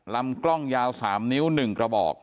ลำกล้องยาว๓นิ้ว๑กระบอก